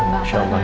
ya insya allah ya